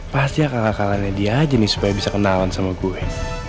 pasti akan gak kalahin dia aja nih supaya bisa kenalan sama gue